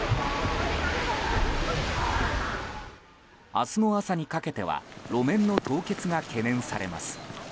明日の朝にかけては路面の凍結が懸念されます。